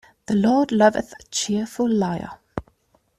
The Lord loveth a cheerful liar.